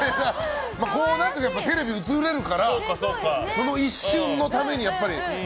こうなったらテレビ映れるからその一瞬のために、やっぱり。